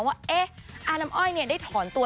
ว่าเอ๊ะอาน้ำอ้อยเนี่ยได้ถอนตัว